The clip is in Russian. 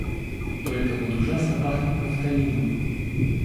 Только вот ужасно пахнет нафталином.